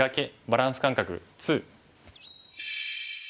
バランス感覚２」。